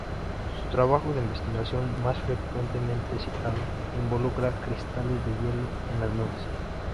Su trabajo de investigación más frecuentemente citado, involucra cristales de hielo en las nubes.